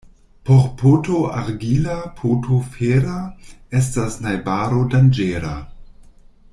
Por poto argila poto fera estas najbaro danĝera.